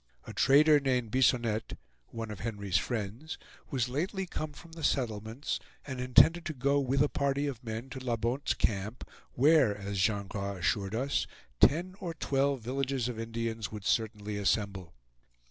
A trader named Bisonette, one of Henry's friends, was lately come from the settlements, and intended to go with a party of men to La Bonte's Camp, where, as Jean Gras assured us, ten or twelve villages of Indians would certainly assemble.